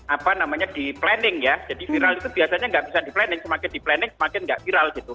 apa namanya di planning ya jadi viral itu biasanya nggak bisa di planning semakin di planning semakin nggak viral gitu